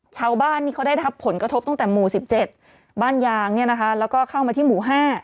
ชาวบ้านนี่เขาได้รับผลกระทบตั้งแต่หมู่๑๗บ้านยางเนี่ยนะคะแล้วก็เข้ามาที่หมู่๕